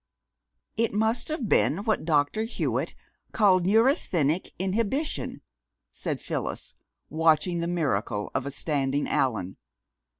"It must have been what Dr. Hewitt called neurasthenic inhibition," said Phyllis, watching the miracle of a standing Allan.